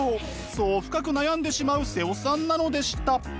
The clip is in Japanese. そう深く悩んでしまう妹尾さんなのでした。